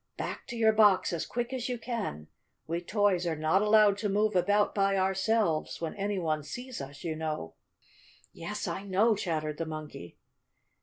"Back to your box as quick as you can. We toys are not allowed to move about by ourselves when any one sees us, you know." "Yes, I know!" chattered the Monkey.